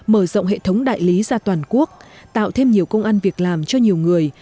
mở rộng hệ thống đại lý ra toàn quốc tạo thêm nhiều công ăn việc làm cho nhiều người